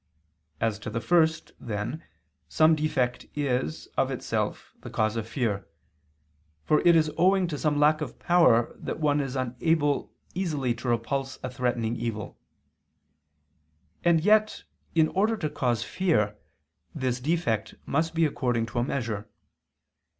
As to the first then, some defect is, of itself, the cause of fear: for it is owing to some lack of power that one is unable easily to repulse a threatening evil. And yet, in order to cause fear, this defect must be according to a measure.